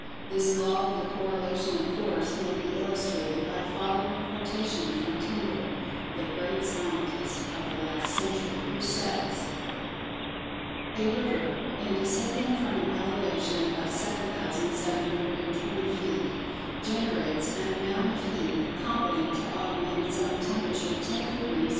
This law of the "Corelation of Force" may be illustrated by the following quotation from Tyndall, the great scientist of the last century, who says: "A river, in descending from an elevation of 7720 feet, generates an amount of heat competent to augment its own temperature 10 degrees F.